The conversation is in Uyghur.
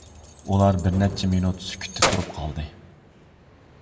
ئۇلار بىرنەچچە مىنۇت سۈكۈتتە تۇرۇپ قالدى.